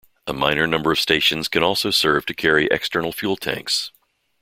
A minor number of stations can also serve to carry external fuel tanks.